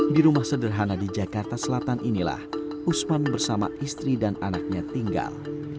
di rumah sederhana di jakarta selatan inilah usman bersama istri dan anaknya tinggal